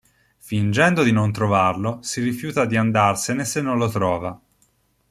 Fingendo di non trovarlo, si rifiuta di andarsene se non lo trova.